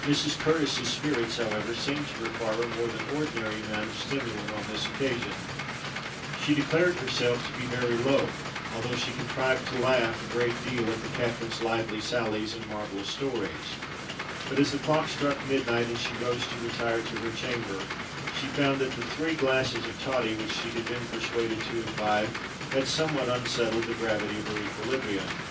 Mrs. Curtis's spirits, however, seemed to require a more than ordinary amount of stimulant on this occasion: she declared herself to be "very low," although she contrived to laugh a great deal at the captain's lively sallies and marvellous stories;—but as the clock struck midnight and she rose to retire to her chamber, she found that the three glasses of toddy which she had been persuaded to imbibe, had somewhat unsettled the gravity of her equilibrium.